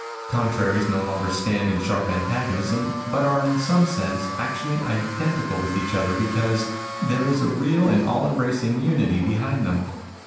Contraries no longer stand in sharp antagonism, but are in some sense actually identical with each other, because there is a real and all embracing Unity behind them.